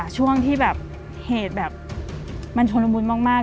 ช่วงที่เหตุมันชมลมุนมาก